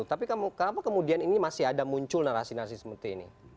tapi kenapa kemudian ini masih ada muncul narasi narasi seperti ini